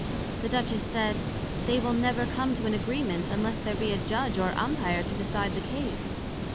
The Duchess said, They will never come to an agreement, unless there be a Judg or Umpire to decide the Case.